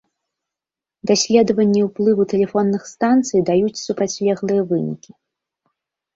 Даследаванні ўплыву тэлефонных станцый даюць супрацьлеглыя вынікі.